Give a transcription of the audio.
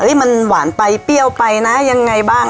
มันหวานไปเปรี้ยวไปนะยังไงบ้าง